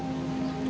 ya itu dia